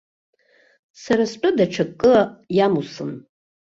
Сара стәы даҽакы иамусын.